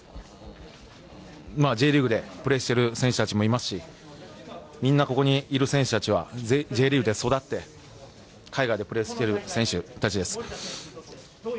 Ｊリーグでプレーしてる選手たちもいますしみんなここにいる選手たちはＪリーグで育って海外でプレーしている選手たちです。